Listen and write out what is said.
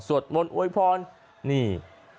สวดมนต์โอ้ยพรนี่